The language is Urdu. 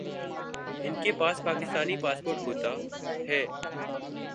انکے پاس پاکستانی پاسپورٹ ہوتا ہے